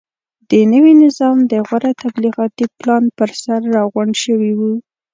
د نوي نظام د غوره تبلیغاتي پلان پرسر راغونډ شوي وو.